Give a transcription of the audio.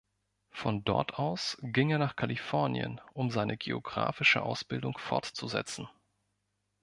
Von dort aus ging er nach Kalifornien, um seine geographische Ausbildung fortzusetzen.